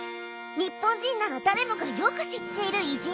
日本人なら誰もがよく知っている偉人だにゃ。